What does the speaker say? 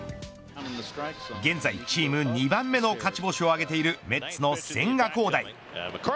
現在、チーム２番目の勝ち星を挙げているメッツの千賀滉大。